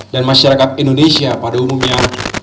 dan masyarakat indonesia pada umumnya